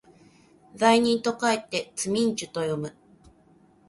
罪人と書いてつみんちゅと読む